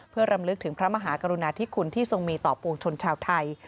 เพื่อรำลึกถึงพระมหากรุณาธิคุณที่ทรงมีต่อปวงชนชาวไทย